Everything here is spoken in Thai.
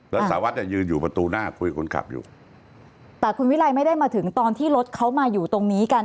แล้วสารวัตรเนี่ยยืนอยู่ประตูหน้าคุยคนขับอยู่แต่คุณวิรัยไม่ได้มาถึงตอนที่รถเขามาอยู่ตรงนี้กัน